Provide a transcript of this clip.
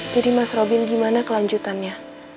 jadi mas robi gimana kelanjutannya